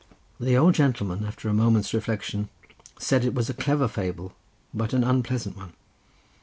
The old gentleman after a moment's reflection said it was a clever fable, but an unpleasant one.